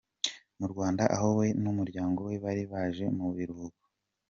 mu Rwanda aho we n'umuryango we bari baje mu biruhuko.